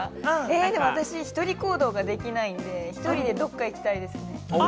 私、１人行動ができないんで、１人でどっか行きたいです。